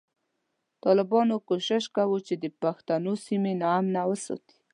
ټالبانو کوشش کوو چی د پښتنو سیمی نا امنه وساتی